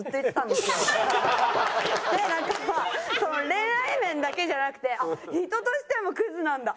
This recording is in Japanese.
でなんか恋愛面だけじゃなくて人としてもクズなんだ！